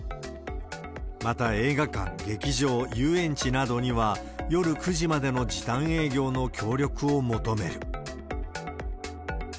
また、映画館、劇場、遊園地などには、夜９時までの時短営業の協力を求める。